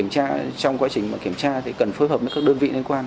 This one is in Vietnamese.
trong quá trình kiểm tra thì cần phối hợp với các đơn vị liên quan